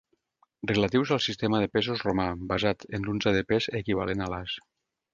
Relatius al sistema de pesos romà basat en l'unça de pes equivalent a l'as.